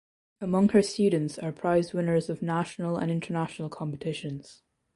Among her students are prize winners of national and international competitions.